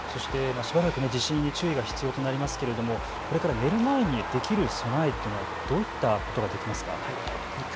そしてしばらく地震に注意が必要となりますがこれから寝る前にできる備えというのはどういったことができますか。